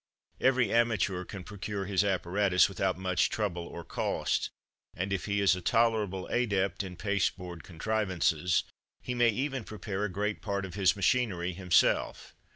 Every amateur can procure his apparatus without much trouble or cost, and if he is a tolerable adept in pasteboard contrivances, he may even prepare a great part of his machinery himself.